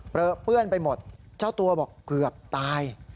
เปื้อนไปหมดเจ้าตัวบอกเกือบตาย